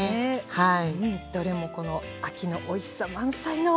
はい。